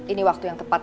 ini waktu yang tepat